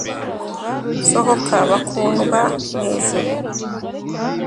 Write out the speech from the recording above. Sohoka bakundwa nijuru